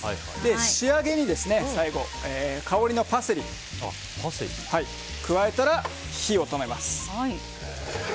仕上げに最後香りのパセリを加えたら火を止めます。